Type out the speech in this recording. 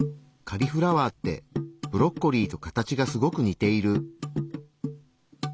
カリフラワーってブロッコリーと形がすごく似ている。